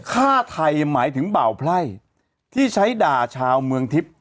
ฆ่าไทยหมายถึงเบาไพร่ที่ใช้ด่าชาวเมืองทิพย์